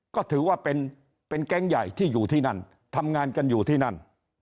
ก็ถือว่าเป็นแก๊งใหญ่ที่อยู่ที่นั่นทำงานกันอยู่ที่นั่น